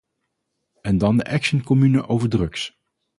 En dan de action commune over drugs.